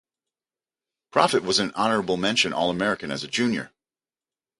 Profit was an honorable mention All-American as a junior.